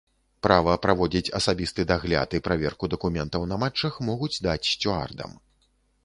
Права праводзіць асабісты дагляд і праверку дакументаў на матчах могуць даць сцюардам.